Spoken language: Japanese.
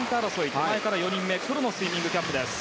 手前から４人目黒のスイミングキャップです。